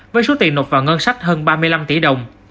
với số tiền nộp vào ngân sách hơn ba mươi năm tỷ đồng